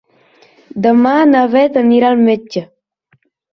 Demà na Bet anirà al metge.